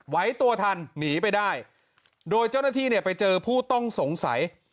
ไว้ตัวทันหนีไปได้โดยเจ้าหน้าที่เนี่ยไปเจอผู้ต้องสงสัย